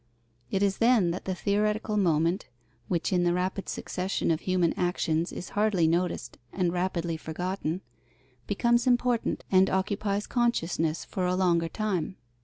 It is then that the theoretical moment, which in the rapid succession of human actions is hardly noticed and rapidly forgotten, becomes important and occupies consciousness for a longer time.